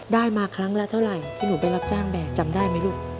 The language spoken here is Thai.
ได้มาครั้งละเท่าไหร่ที่หนูไปรับจ้างแบกจำได้ไหมลูก